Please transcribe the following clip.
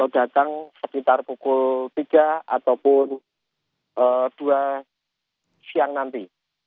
datang sekitar pukul tiga ataupun dua siang nanti